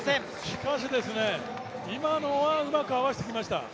しかし今のはうまく合わせてきました。